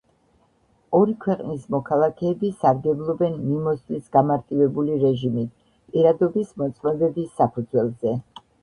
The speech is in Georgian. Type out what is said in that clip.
ორი ქვეყნის მოქალაქეები სარგებლობენ მიმოსვლის გამარტივებული რეჟიმით, პირადობის მოწმობების საფუძველზე.